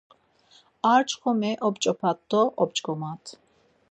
Ar çxomi op̌ç̌opat do op̌ç̌ǩomat!